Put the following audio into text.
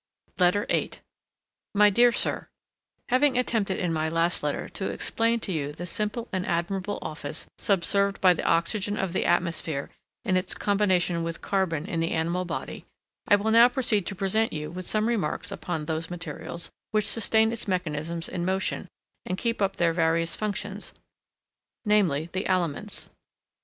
LETTER VIII My dear Sir, Having attempted in my last letter to explain to you the simple and admirable office subserved by the oxygen of the atmosphere in its combination with carbon in the animal body, I will now proceed to present you with some remarks upon those materials which sustain its mechanisms in motion, and keep up their various functions, namely, the Aliments.